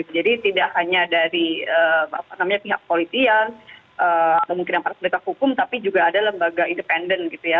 jadi tidak hanya dari pihak politik yang mungkin yang para pendekat hukum tapi juga ada lembaga independen gitu ya